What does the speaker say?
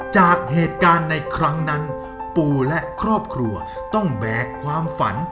จากเหตุการณ์ในครั้งนั้นปู่และครอบครัวต้องแบกความฝัน